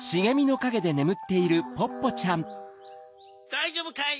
・だいじょうぶかい？